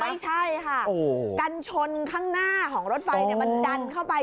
ไม่ใช่ค่ะกันชนข้างหน้าของรถไฟมันดันเข้าไป